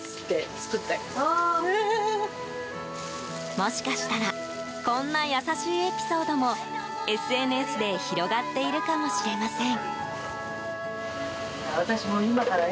もしかしたらこんな優しいエピソードもＳＮＳで広がっているかもしれません。